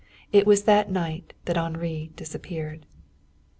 It was that night that Henri disappeared.